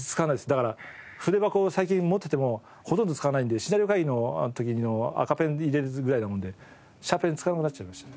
だから筆箱を最近持っててもほとんど使わないんでシナリオ会議の時の赤ペン入れるぐらいなもんでシャーペン使わなくなっちゃいました。